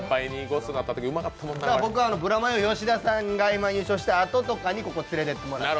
僕はブラマヨ・吉田さんが「Ｍ−１」優勝したあととかここ連れてってもらって。